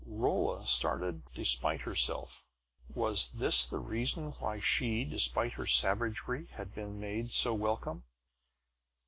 Rolla started despite herself. Was this the reason why she, despite her savagery, had been made so welcome?